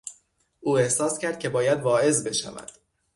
او احساس کرد که باید واعظ بشود.